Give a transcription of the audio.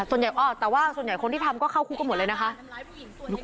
แต่ว่าส่วนใหญ่คนที่ทำก็เข้าคุกกันหมดเลยนะคะ